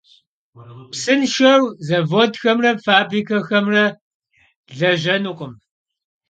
Psınşşeu zavodxemre fabrikexemri lejenukhım.